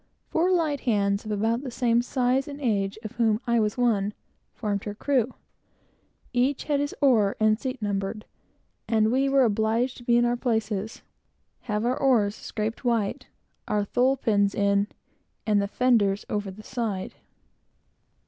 Four light hands, of about the same size and age, of whom I was one, formed the crew. Each had his oar and seat numbered, and we were obliged to be in our places, have our oars scraped white, our tholepins in, and the fenders over the side.